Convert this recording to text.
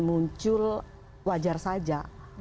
muncul wajar saja